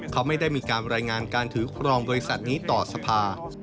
เขาไม่ได้มีการรายงานการถือครองบริษัทนี้ต่อสภา